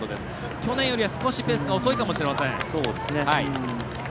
去年よりは、少しペースが遅いかもしれません。